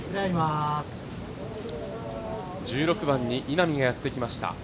１６番に稲見がやってきました。